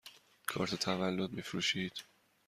کارت تولد می فروشید؟